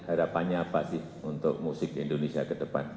harapannya apa sih untuk musik indonesia ke depan